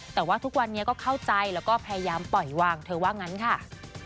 แต่ว่าทุกวันนี้ก็เข้าใจแล้วก็พยายามปล่อยวางเธอว่างั้นค่ะ